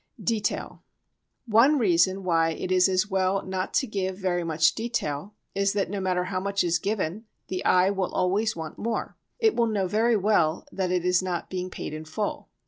Detail One reason why it is as well not to give very much detail is that, no matter how much is given, the eye will always want more; it will know very well that it is not being paid in full.